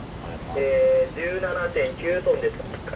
ええ１７．９トンです。